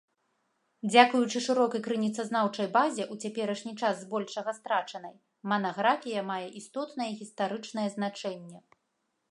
Дзякуючы шырокай крыніцазнаўчай базе, у цяперашні час збольшага страчанай, манаграфія мае істотнае гістарычнае значэнне.